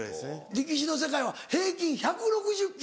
力士の世界は平均１６０ｋｇ！